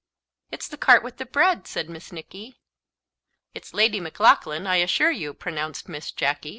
"It's the cart with the bread," said Miss Nicky. "It's Lady Maclaughlan, I assure you," pronounced Miss Jacky.